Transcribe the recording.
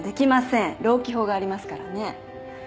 労基法がありますからね。